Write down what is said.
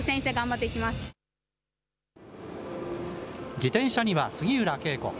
自転車には杉浦佳子。